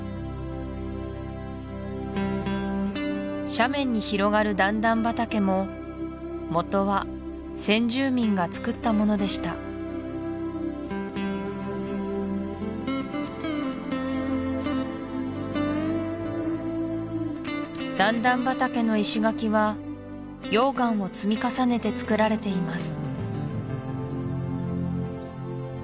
斜面に広がる段々畑ももとは先住民がつくったものでした段々畑の石垣は溶岩を積み重ねてつくられています